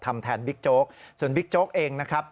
ทำแทนบิ๊กโจ๊กส่วนบิ๊กโจ๊กเองนะครับ